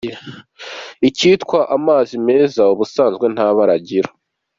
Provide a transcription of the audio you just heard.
Icyitwa amazi meza ubusanzwe nta bara agira.